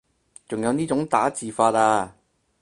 仲有呢種打字法啊